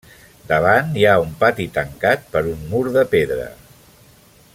Davant hi ha un pati tancat per un mur de pedra.